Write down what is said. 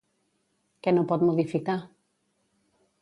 Què no pot modificar?